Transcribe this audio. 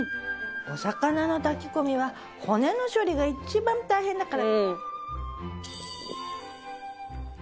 お魚の炊き込みは骨の処理が一番大変だから。